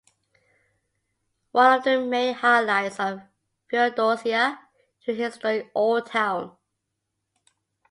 One of the main highlights of Feodosia is its historic old town.